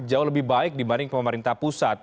jauh lebih baik dibanding pemerintah pusat